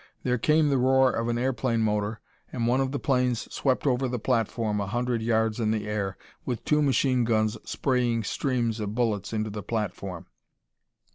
There came the roar of an airplane motor, and one of the planes swept over the platform, a hundred yards in the air, with two machine guns spraying streams of bullets onto the platform.